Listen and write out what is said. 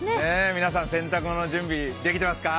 皆さん、洗濯物の準備できてますか？